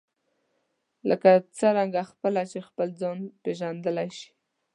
لکه څنګه خپله چې خپل ځان پېژندلای شئ.